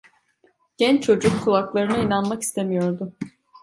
Genç çocuk kulaklarına inanmak istemiyordu.